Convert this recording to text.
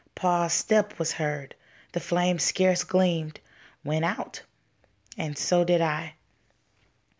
Pa's step was heard. The flame scarce gleamed, Went out and so did I.